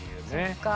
そっか。